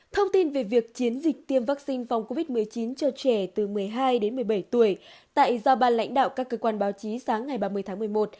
thông tin về việc chiến dịch tiêm vaccine phòng covid một mươi chín cho trẻ từ một mươi hai đến một mươi bảy tuổi do ban lãnh đạo các cơ quan báo chí sáng ngày ba mươi tháng một mươi một